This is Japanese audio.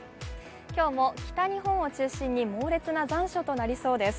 今日も北日本を中心に猛烈な残暑となりそうです。